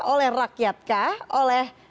oleh rakyat kah